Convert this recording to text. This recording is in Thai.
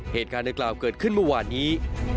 เหตุการณ์ในกล่าวเกิดขึ้นเมื่อวานนี้